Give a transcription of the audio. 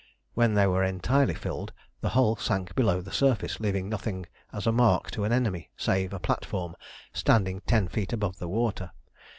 When they were entirely filled the hull sank below the surface, leaving nothing as a mark to an enemy save a platform standing ten feet above the water.